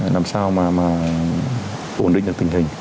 làm sao mà ổn định được tình hình